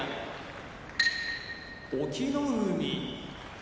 隠岐の海